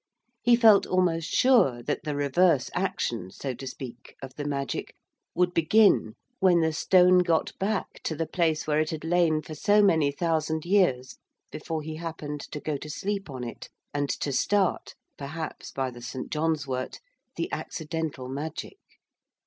He felt almost sure that the reverse action, so to speak, of the magic would begin when the stone got back to the place where it had lain for so many thousand years before he happened to go to sleep on it, and to start perhaps by the St. John's wort the accidental magic.